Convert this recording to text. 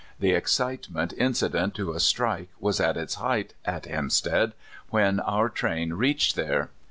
The excitement incident FATHER FISHES. 141 to a strike was at its height at Hempstead when our train reached there.